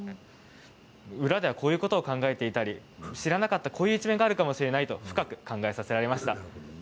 裏ではこういうことを考えていたり知らなかったこういう一面があるかもしれないと深く考えさせられました。